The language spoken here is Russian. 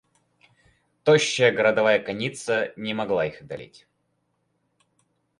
Тощая городовая конница не могла их одолеть.